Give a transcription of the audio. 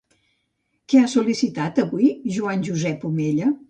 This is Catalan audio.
Què ha sol·licitat avui Joan Josep Omella?